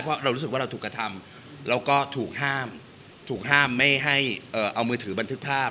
เพราะเรารู้สึกว่าเราถูกกระทำแล้วก็ถูกห้ามถูกห้ามไม่ให้เอามือถือบันทึกภาพ